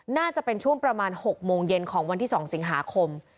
น่าจะเป็นช่วงประมาณ๖โมงเย็นของวันที่๒สิงหาคม